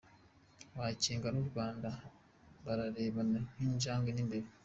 “Makenga n’u Rwanda bararebana nk’injangwe n’imbeba”